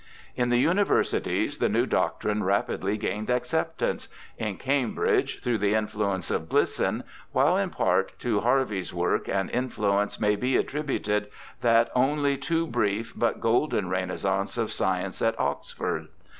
In the universities the new doctrine rapidly gained acceptance— in Cambridge through the influence of Glisson, while in part to Harvey's work and influence may be attributed that only too brief but golden renaissance of science at Oxford.